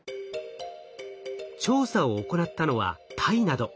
調査を行ったのはタイなど。